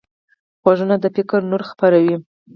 غوږونه د فکر نور خپروي